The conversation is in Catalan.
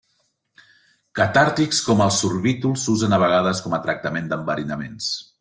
Catàrtics com el sorbitol s'usen de vegades com a tractament d'enverinaments.